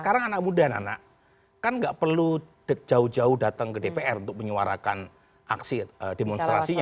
karena anak muda kan tidak perlu jauh jauh datang ke dpr untuk menyuarakan aksi demonstrasinya